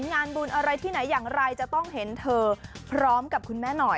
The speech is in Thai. งานบุญอะไรที่ไหนอย่างไรจะต้องเห็นเธอพร้อมกับคุณแม่หน่อย